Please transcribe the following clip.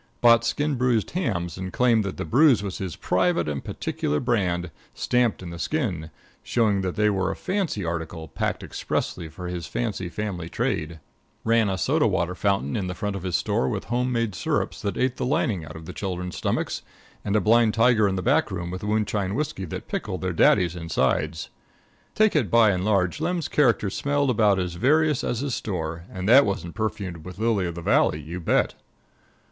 Bought skin bruised hams and claimed that the bruise was his private and particular brand, stamped in the skin, showing that they were a fancy article, packed expressly for his fancy family trade. Ran a soda water fountain in the front of his store with home made syrups that ate the lining out of the children's stomachs, and a blind tiger in the back room with moonshine whiskey that pickled their daddies' insides. Take it by and large, Lem's character smelled about as various as his store, and that wasn't perfumed with lily of the valley, you bet.